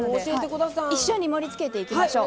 一緒に盛りつけていきましょう。